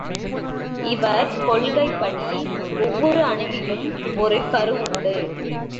இவர் கொள்கைப்படி ஒவ்வொரு அணுவிலும் ஒரு கரு உண்டு.